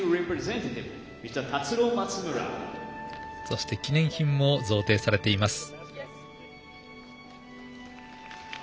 そして記念品も贈呈されています。